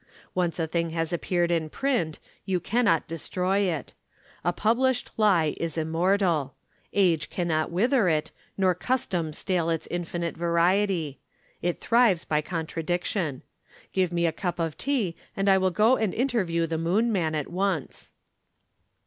Once a thing has appeared in print, you cannot destroy it. A published lie is immortal. Age cannot wither it, nor custom stale its infinite variety. It thrives by contradiction. Give me a cup of tea and I will go and interview the Moon man at once."